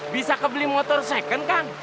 bisa kebeli motor second kan